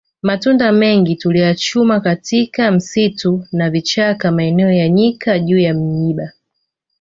Matunda mengi tuliyachuma katika msitu na vichaka maeneo ya nyika juu ya miiba